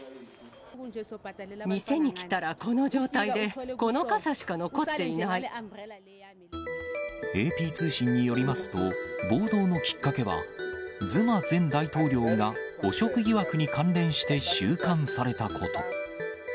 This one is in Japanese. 店に来たらこの状態で、ＡＰ通信によりますと、暴動のきっかけは、ズマ前大統領が汚職疑惑に関連して収監されたこと。